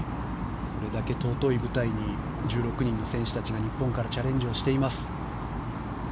それだけ尊い舞台に１６人の選手たちが日本からチャレンジをしています。